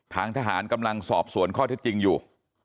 ทางทหารกำลังสอบสวนข้อเท็จจริงอยู่